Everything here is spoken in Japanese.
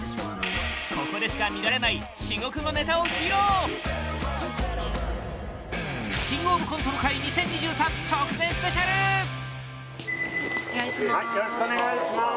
ここでしか見られない至極のネタを披露・お願いします